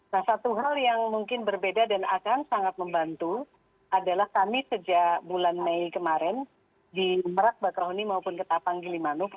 nah satu hal yang mungkin berbeda dan akan sangat membantu adalah kami sejak bulan mei kemarin di merak bakaroni maupun ketapang gilimanuk